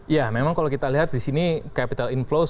ya memang kalau kita lihat di sini capital inflow